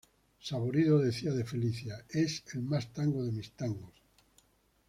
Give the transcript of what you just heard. Saborido decía de "Felicia", "es el más tango de mis tangos".